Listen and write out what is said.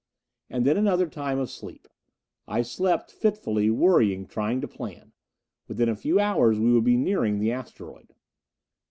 And then another time of sleep. I slept, fitfully, worrying, trying to plan. Within a few hours we would be nearing the asteroid.